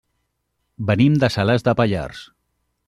Venim de Salàs de Pallars.